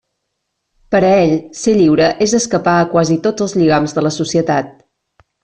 Per a ell, ser lliure és escapar a quasi tots els lligams de la societat.